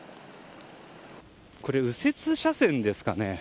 これ、右折車線ですかね。